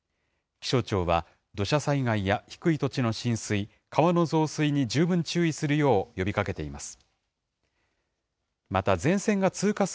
気象庁は、土砂災害や低い土地の浸水、川の増水に十分注意するよう呼びかけています。